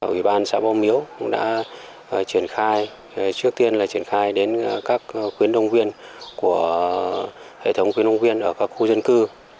ủy ban xã võ miếu đã truyền khai trước tiên là truyền khai đến các khuyến nông viên của hệ thống khuyến nông viên ở các khu dân cư